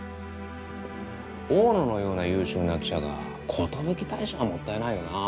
大野のような優秀な記者が寿退社はもったいないよなぁ。